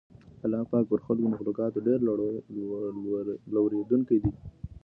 الله پاک پر خپلو مخلوقاتو ډېر لورېدونکی دی.